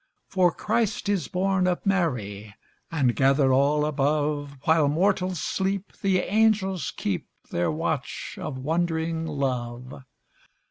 For Christ is born of Mary, And gathered all above; While mortals sleep the angels keep Their watch of wondering love.